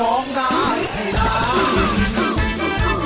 ร้องได้ให้ร้าน